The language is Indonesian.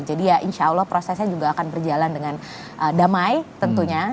jadi ya insya allah prosesnya juga akan berjalan dengan damai tentunya